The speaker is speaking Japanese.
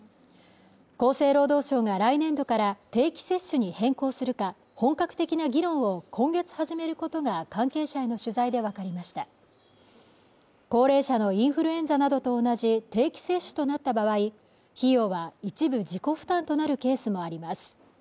厚生労働省が来年度から定期接種に変更するか本格的な議論を今月始めることが関係者への取材で分かりました高齢者のインフルエンザなどと同じ定期接種となった場合費用は一部自己負担となるケースもあります